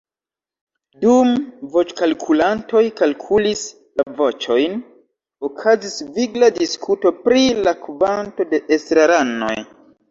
Dum voĉkalkulantoj kalkulis la voĉojn, okazis vigla diskuto pri la kvanto de estraranoj.